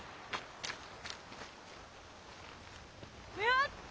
やった！